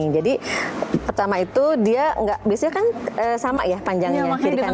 jadi pertama itu dia nggak biasanya kan sama ya panjangnya kiri kanan